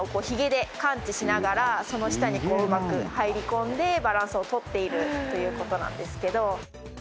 その下にうまく入り込んでバランスを取っているということなんですけど。